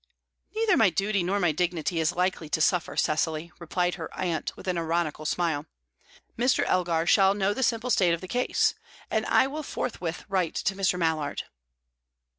"Neither my duty nor my dignity is likely to suffer, Cecily," replied her aunt, with an ironical smile. "Mr. Elgar shall know the simple state of the case. And I will forthwith write to Mr. Mallard."